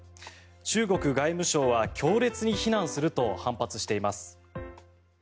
中国外務省は強烈に非難すると反発しています。